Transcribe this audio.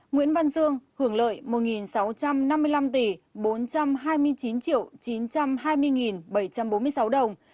nguyễn văn dương hưởng lợi một sáu trăm năm mươi năm tỷ bốn trăm hai mươi chín chín trăm hai mươi bảy trăm bốn mươi sáu đồng